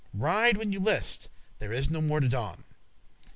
Ride <24> when you list, there is no more to do'n.